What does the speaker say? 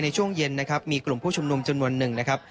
ในช่วงเย็นนะครับมีกลุ่มผู้ชุมนุมจำนวนหนึ่งนะครับ